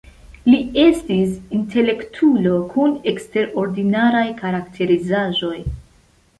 Li estis intelektulo kun eksterordinaraj karakterizaĵoj.